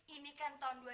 ini kan tahun dua ribu enam